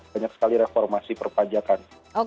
banyak sekali reformasi perpajakan